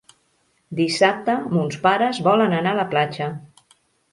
Dissabte mons pares volen anar a la platja.